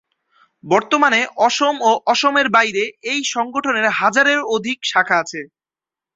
বর্তমানে অসম ও অসমের বাইরে এই সংগঠনের হাজারেরও অধিক শাখা আছে।